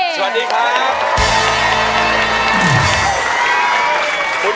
สวัสดีครับ